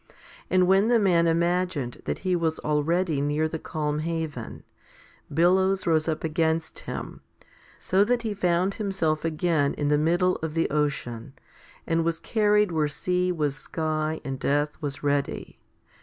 And when the man imagined that he was already near the calm haven, billows rose up against him, so that he found himself again in the middle of the ocean, and was carried where sea was sky and death was ready.